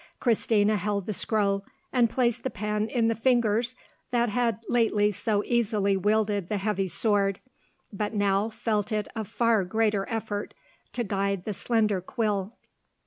Christina held the scroll, and placed the pen in the fingers that had lately so easily wielded the heavy sword, but now felt it a far greater effort to guide the slender quill.